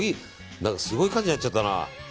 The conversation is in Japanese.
何かすごい感じになっちゃったな。